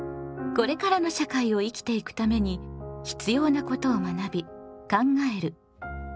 これからの社会を生きていくために必要なことを学び考える「公共」。